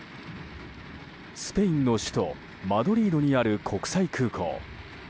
スペインの首都マドリードにある国際空港。